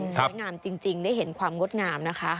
งามจริงได้เห็นความงดงามนะคะ